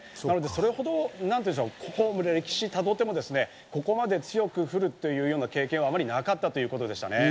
それほど歴史をたどってもここまで強く降るというような経験はなかったということでしたね。